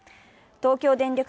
東京電力